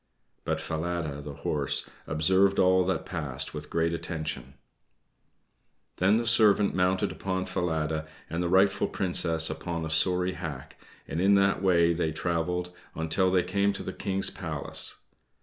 But Falada, the horse, observed all that passed with great attention. Then the servant mounted upon Falada, and the rightful Princess upon a sorry hack; and in that way they traveled on till they came to the King's palace.